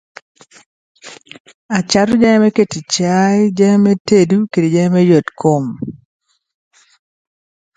Ferdinand Hayden was born in Westfield, Massachusetts.